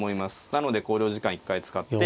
なので考慮時間１回使って。